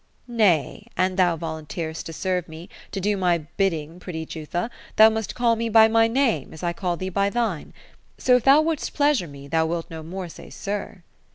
<^ Nay, an thou volunteer'st to serve me — to do my bidding, pretty Jutha, thou must call me by my name, as I call thee by thine. So, if thou wouldst pleasure me, thou wilt no more say ' sir.'